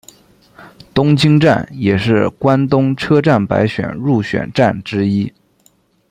东京站也是关东车站百选入选站之一。